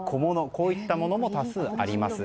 こういったものも多数あります。